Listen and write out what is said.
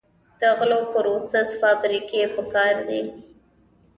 د غلو پروسس فابریکې پکار دي.